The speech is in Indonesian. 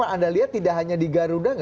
anda lihat tidak hanya di garuda nggak